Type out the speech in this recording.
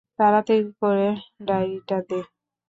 তাড়াতাড়ি কর, ডায়রিটা দে।